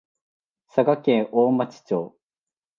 佐賀県大町町